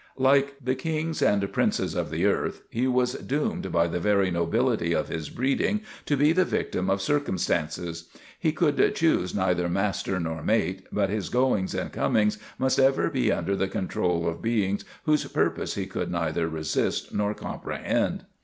Like the kings and princes of the earth he was doomed by the very nobility of his breeding to be the victim of circumstances. He could choose neither master nor mate, but his goings and comings must ever be under the control of beings whose purposes he could neither resist nor compre hend.